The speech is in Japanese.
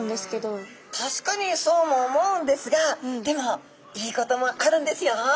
確かにそうも思うんですがでもいいこともあるんですよ。